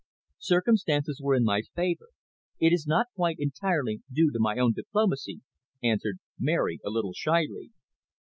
"Circumstances went in my favour; it is not quite entirely due to my own diplomacy," answered Mary a little shyly.